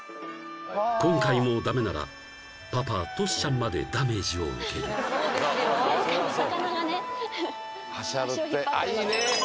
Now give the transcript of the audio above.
今回もダメならパパトシちゃんまでダメージを受ける前回の魚がねあっいいね